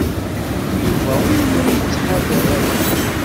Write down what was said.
Yuba ur la yettḥadar ara.